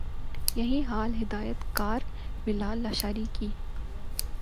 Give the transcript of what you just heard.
یہی حال ہدایت کار بلال لاشاری کی